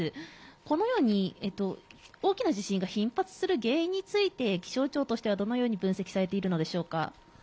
このように、大きな地震が頻発する原因について、気象庁としてはどのように分析されているのでしょうか。